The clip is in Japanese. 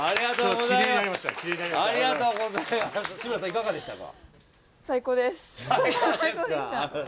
いかがでしたか？